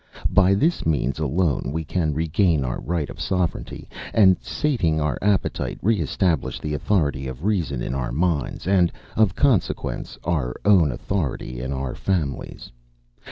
By this means alone can we regain our right of sovereignty and, sating our appetite, re establish the authority of reason in our minds, and, of consequence, our own authority in our families.